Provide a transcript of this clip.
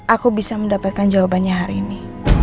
aku bisa mendapatkan jawabannya hari ini